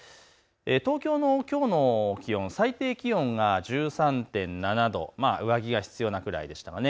東京のきょうの気温、最低気温が１３．７度、上着が必要なくらいでした。